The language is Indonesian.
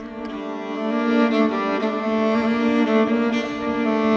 menahuselia dari komunitas cepat mungkin saja